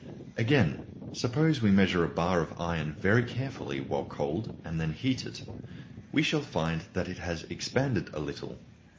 Again, suppose we measure a bar of iron very carefully while cold and then heat it. We shall find that it has expanded a little.